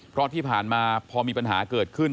เพราะที่ผ่านมาพอมีปัญหาเกิดขึ้น